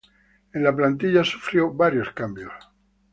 En la plantilla sufrió varios cambios.